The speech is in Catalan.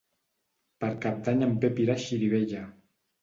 Per Cap d'Any en Pep irà a Xirivella.